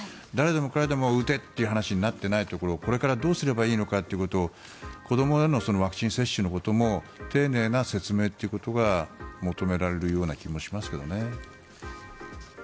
誰でも彼でも打てという話になっていないところをこれからどうすればいいのかということを子どもへのワクチン接種のことも丁寧な説明ということが求められるような気もしますけどね。